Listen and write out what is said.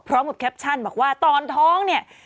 พร้อมกับแคปชั่นบอกว่าตอนท้องเนี่ย